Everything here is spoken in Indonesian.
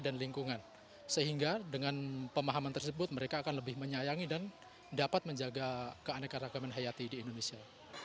dan lingkungan sehingga dengan pemahaman tersebut mereka akan lebih menyayangi dan dapat menjaga keanekaragaman hayati di indonesia